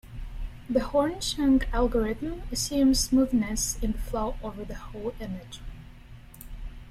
The Horn-Schunck algorithm assumes smoothness in the flow over the whole image.